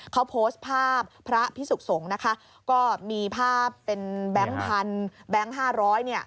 เขาโพสต์ภาพพระพิสุขสงฆ์นะคะก็มีภาพเป็นแบงค์พันแบงค์ห้าร้อยเนี่ย